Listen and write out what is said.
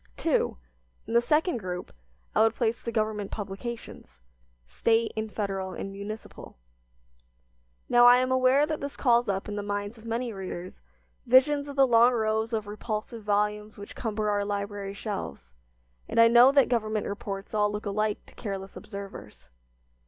II. In the second group I would place the government publications, State and Federal and municipal. Now I am aware that this calls up in the minds of many readers visions of the long rows of repulsive volumes which cumber our library shelves, and I know that government reports all look alike to careless observers.